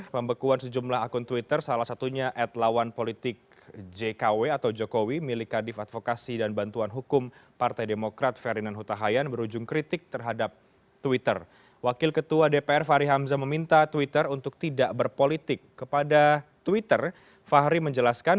pemerintah diberi pengetahuan